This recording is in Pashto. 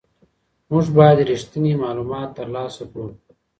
موږ باید ریښتیني معلومات ترلاسه کړو.